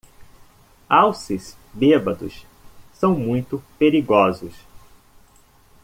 Alces bêbados são muito perigosos.